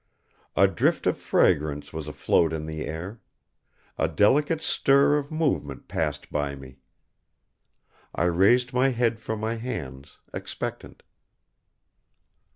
A drift of fragrance was afloat on the air. A delicate stir of movement passed by me. I raised my head from my hands, expectant.